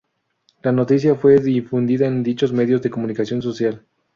La noticia fue difundida en dichos medios de comunicación social.